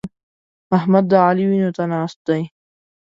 احمد د علي وينو ته ناست دی.